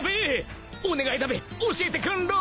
お願いだべ教えてくんろ！